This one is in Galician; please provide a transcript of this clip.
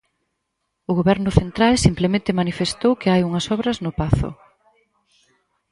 O Goberno central simplemente manifestou que hai unhas obras no pazo.